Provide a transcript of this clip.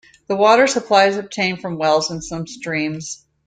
The water supply is obtained from wells and some streams.